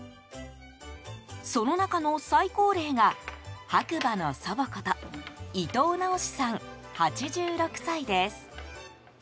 その中の最高齢が白馬の祖母こと伊藤直さん、８６歳です。